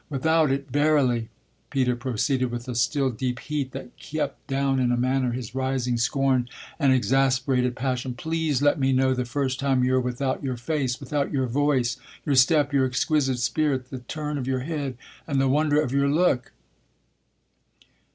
'Without it,' verily!" Peter proceeded with a still, deep heat that kept down in a manner his rising scorn and exasperated passion. "Please let me know the first time you're without your face, without your voice, your step, your exquisite spirit, the turn of your head and the wonder of your look!"